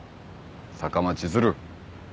坂間千鶴。